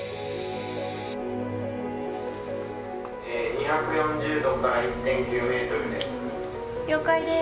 ２４０度から１．９ｍです。